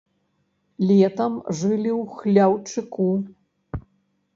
Летам жылі ў хляўчыку.